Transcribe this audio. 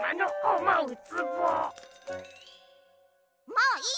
もういい！